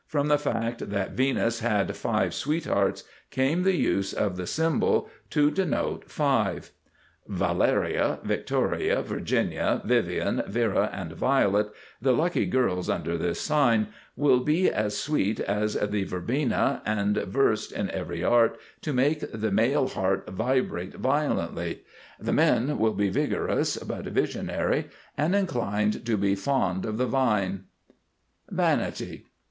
From the fact that Venus had five sweethearts, came the use of this symbol to denote 5. Valeria, Victoria, Virginia, Vivian, Vera, and Violet, the lucky girls under this sign, will be as sweet as the Verbena and Versed in every art to make the male heart Vibrate Violently. The men will be Vigorous but Visionary, and inclined to be fond of the Vine. VANITY.